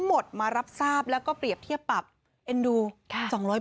หมดมารับทราบแล้วก็เพรียบเทียบปรับเอ็นดูค่ะสองร้อย